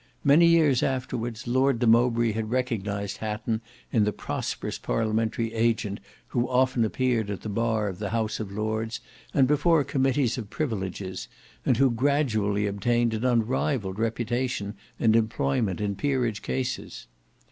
Many years afterwards Lord de Mowbray had recognised Hatton in the prosperous parliamentary agent who often appeared at the bar of the House of Lords and before committees of privileges, and who gradually obtained an unrivalled reputation and employment in peerage cases.